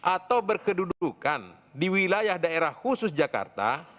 atau berkedudukan di wilayah daerah khusus jakarta